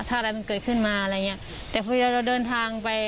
ถ้าอะไรมันเกิดขึ้นมาแต่พวกเดินทางไป